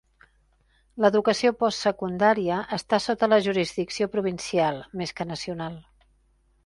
L'educació post-secundària està sota la jurisdicció provincial, més que nacional.